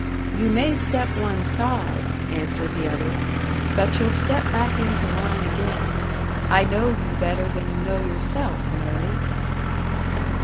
"You may step one side," answered the other "but you'll step back into line again. I know you better than you know yourself, Mary."